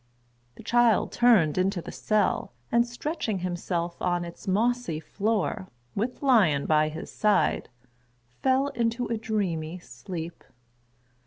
The child turned into the cell, and stretching himself on its mossy floor, with Lion by his side, fell into a dreamy sleep.